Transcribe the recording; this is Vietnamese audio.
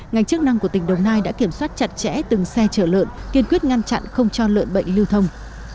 ngành chức năng của tỉnh đồng nai đã kiểm soát chặt chẽ từng xe chở lợn kiên quyết ngăn chặn không cho lợn bệnh lưu thông